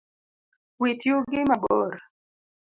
Wit yugi mabor